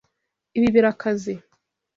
Ibi birakaze.